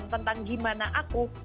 tentang gimana aku